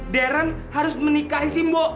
deren harus menikahi simpo